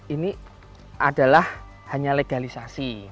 ini adalah hanya legalisasi